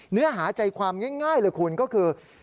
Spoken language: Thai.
เนื้อหาใจความง่ายเลยคุณก็คือ